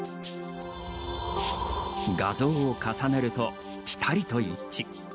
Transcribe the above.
画像を重ねると、ぴたりと一致。